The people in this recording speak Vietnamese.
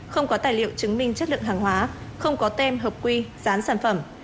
không có tài liệu chứng minh chất lượng hàng hóa không có tem hợp quy gián sản phẩm